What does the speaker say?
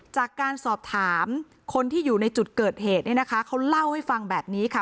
จากการสอบถามคนที่อยู่ในจุดเกิดเหตุเนี่ยนะคะเขาเล่าให้ฟังแบบนี้ค่ะ